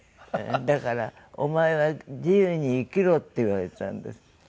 「だからお前は自由に生きろ」って言われたんです。